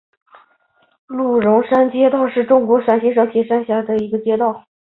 鹿獐山街道是中国湖北省黄石市铁山区下辖的一个街道。